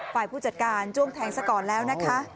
ฝ่ายผู้จัดการจ้วงแทงซะก่อนแล้วนะคะ